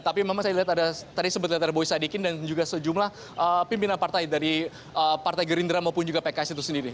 tapi memang saya lihat ada tadi sebetulnya ada boy sadikin dan juga sejumlah pimpinan partai dari partai gerindra maupun juga pks itu sendiri